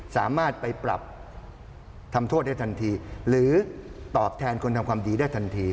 สามารถไปปรับทำโทษได้ทันทีหรือตอบแทนคนทำความดีได้ทันที